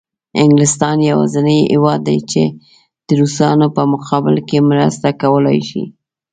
انګلستان یوازینی هېواد دی چې د روسانو په مقابل کې مرسته کولای شي.